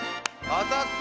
あたった！